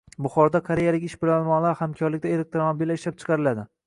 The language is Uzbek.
Buxoroda koreyalik ishbilarmonlar hamkorligida elektromobillar ishlab chiqarilading